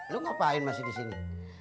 lu ngapain masih disini